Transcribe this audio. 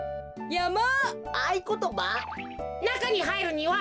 やま。